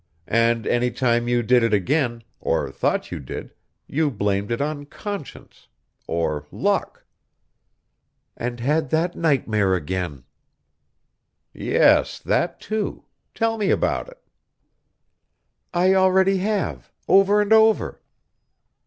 And anytime you did it again, or thought you did, you blamed it on coincidence. Or luck." "And had that nightmare again." "Yes, that, too. Tell me about it." "I already have. Over and over."